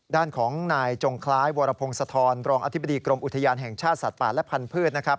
ด้านของนายจงคล้ายวรพงศธรรองอธิบดีกรมอุทยานแห่งชาติสัตว์ป่าและพันธุ์นะครับ